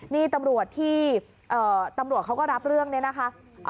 นี่ตำรวจที่ตำรวจเขาก็รับเรื่องนี้นะคะ